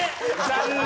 残念！